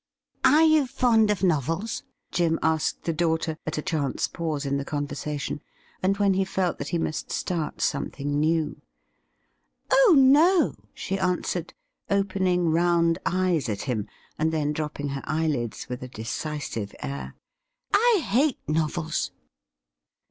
' Are you fond of novels ?' Jim asked the daughter at a chance pause in the conversation, and when he felt that he must start something new. ' Oh no !' she answered, opening round eyes at hira, and then dropping her eyelids with a decisive air. 'I hate novels